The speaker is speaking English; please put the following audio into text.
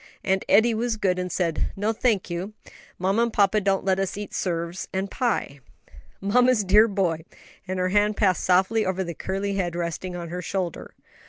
"And Eddie was good, and said, 'No, thank you; mamma and papa don't let us eat 'serves and pie.'" "Mamma's dear boy," and her hand passed softly over the curly head resting on her shoulder.